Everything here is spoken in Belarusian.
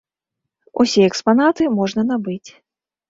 Усе экспанаты можна набыць.